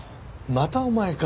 またお前か。